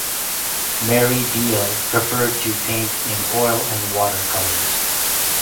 Mary Beale preferred to paint in oil and water colours.